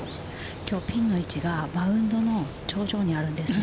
きょうはピンの位置がマウンドの頂上にあるんですね。